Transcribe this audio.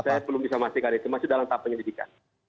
oh tidak ada saya belum bisa mengaksikan itu masih dalam tahap pendidikan